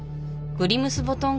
グリムスヴォトン